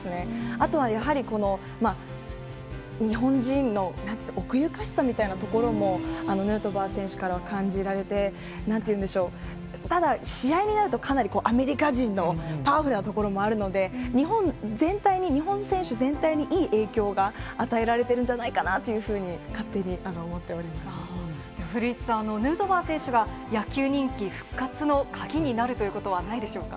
あとはやはり、日本人の、なんて言うんでしょう、奥ゆかしさみたいなところも、ヌートバー選手からは感じられて、なんて言うんでしょう、ただ、試合になると、かなりアメリカ人のパワフルなところもあるので、日本全体に、日本選手全体にいい影響が与えられてるんじゃないかなぁというふ古市さん、ヌートバー選手が、野球人気復活の鍵になるということは、ないでしょうか。